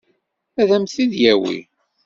Ad m-t-id-yawi?